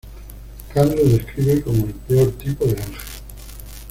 Cam los describe como el peor tipo de ángel.